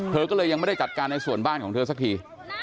เธอก็เลยยังไม่ได้จัดการในส่วนบ้านของเธอสักที